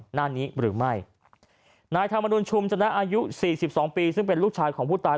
หน้านี้หรือไม่นายธรรมนุนชุมชนะอายุสี่สิบสองปีซึ่งเป็นลูกชายของผู้ตาย